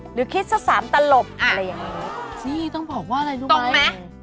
หรือคิดสักสามตลบอะไรอย่างนี้นี่ต้องบอกว่าอะไรรู้ตรงไหม